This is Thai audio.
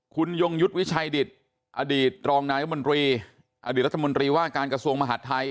คุณยงยุทธ์วิชัยดิตอดีตรองนายมนตรีอดีตรัฐมนตรีว่าการกระทรวงมหาดไทย